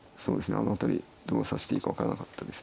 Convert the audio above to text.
あの辺りどう指していいか分からなかったですね。